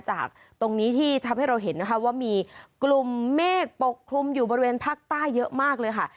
จากตรงนี้ที่ทำให้เราเห็นนะคะว่ามีกลุ่มเมฆปกคลุมอยู่บริเวณภาคใต้เยอะมากเลยค่ะ